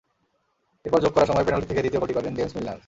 এরপর যোগ করা সময়ে পেনাল্টি থেকে দ্বিতীয় গোলটি করেন জেমস মিলনার।